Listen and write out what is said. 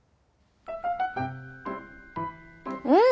うん！